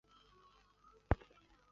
滇假夜来香